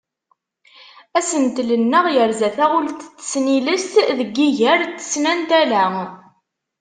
Asentel-nneɣ yerza taɣult n tesnilest deg yiger n tesnantala.